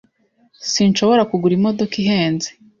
Sinshobora kugura imodoka ihenze